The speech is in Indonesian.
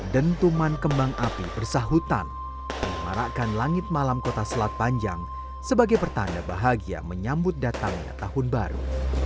dentuman kembang api bersahutan memarakkan langit malam kota selat panjang sebagai pertanda bahagia menyambut datangnya tahun baru